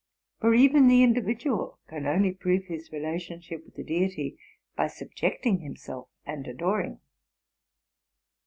For even the individual can only prove his relationship with the Deity by subjecting himself and adoring.